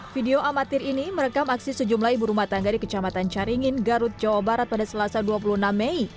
video amatir ini merekam aksi sejumlah ibu rumah tangga di kecamatan caringin garut jawa barat pada selasa dua puluh enam mei